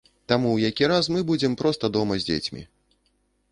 Таму ў які раз мы будзем проста дома з дзецьмі.